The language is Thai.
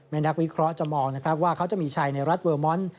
แม่นักวิเคราะห์จะมองว่าเขาจะมีชายในรัฐเวอร์มอนต์